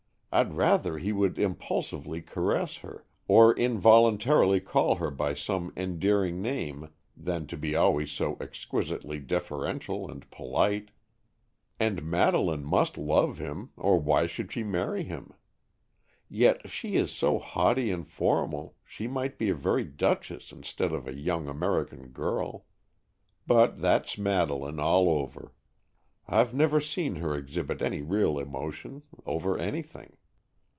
I'd rather he would impulsively caress her, or involuntarily call her by some endearing name than to be always so exquisitely deferential and polite. And Madeleine must love him, or why should she marry him? Yet she is so haughty and formal, she might be a very duchess instead of a young American girl. But that's Madeleine all over. I've never seen her exhibit any real emotion over anything.